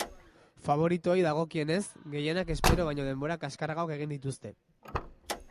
Faboritoei dagokienez, gehienek espero baino denbora kaskarragoak egin dituzte.